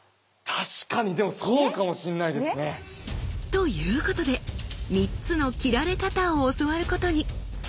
確かにでもそうかもしんないですね。ということで３つの斬られ方を教わることに。